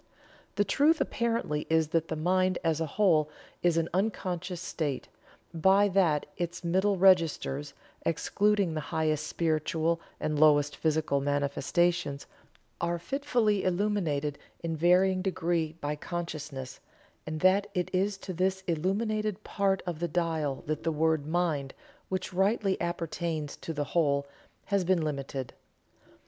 The truth apparently is that the mind as a whole is an unconscious state, by that its middle registers, excluding the highest spiritual and lowest physical manifestations, are fitfully illuminated in varying degree by consciousness; and that it is to this illuminated part of the dial that the word "mind," which rightly appertains to the whole, has been limited."